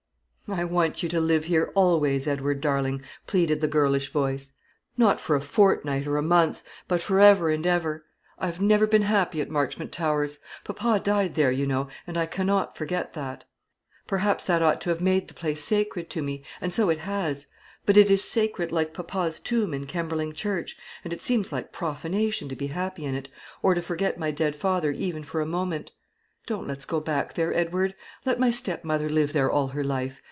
"I want you to live here always, Edward darling," pleaded the girlish voice. "Not for a fortnight or a month, but for ever and ever. I have never been happy at Marchmont Towers. Papa died there, you know, and I cannot forget that. Perhaps that ought to have made the place sacred to me, and so it has; but it is sacred like papa's tomb in Kemberling Church, and it seems like profanation to be happy in it, or to forget my dead father even for a moment. Don't let us go back there, Edward. Let my stepmother live there all her life.